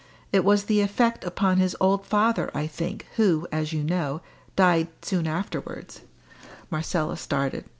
It was the effect upon his old father, I think, who, as you know, died soon afterwards " Marcella started.